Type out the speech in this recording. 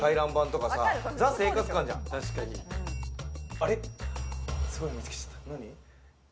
あれ、すごいの見つけちゃった。